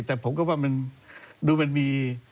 แต่ผมก็ว่ามันดูมันมี